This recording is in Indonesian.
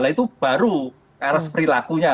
itu baru karena perilakunya